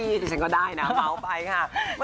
อีกสิ่งก็ได้นะเอาไปค่ะ